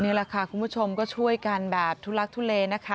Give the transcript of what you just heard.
นี่แหละค่ะคุณผู้ชมก็ช่วยกันแบบทุลักทุเลนะคะ